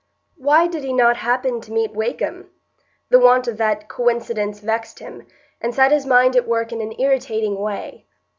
Why did he not happen to meet Wakem? The want of that coincidence vexed him, and set his mind at work in an irritating way.